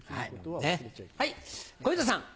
小遊三さん。